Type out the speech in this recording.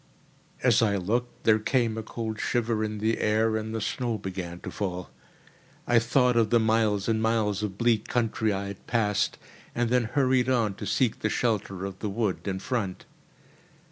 As I looked there came a cold shiver in the air, and the snow began to fall. I thought of the miles and miles of bleak country I had passed, and then hurried on to seek the shelter of the wood in front.